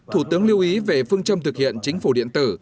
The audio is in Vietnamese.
thủ tướng lưu ý về phương châm thực hiện chính phủ điện tử